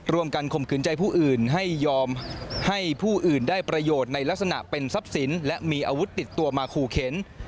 ข่มขืนใจผู้อื่นให้ยอมให้ผู้อื่นได้ประโยชน์ในลักษณะเป็นทรัพย์สินและมีอาวุธติดตัวมาขู่เข็น